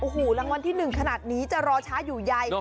อ้อหูรางวัลที่หนึ่งขนาดนี้จะรอช้าอยู่ใย